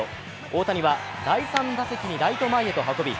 大谷は第３打席ちるライト前へ運び